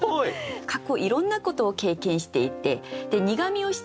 過去いろんなことを経験していて苦みを知っ